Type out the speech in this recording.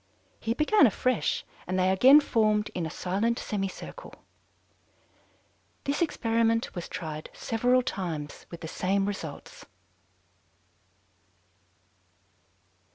He began afresh, and they again formed in a silent semicircle. This experiment was tried several times with the same results."